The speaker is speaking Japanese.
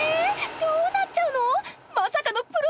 どうなっちゃうの！？